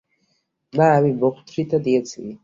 না, আমি বক্তৃতা দিয়েছি।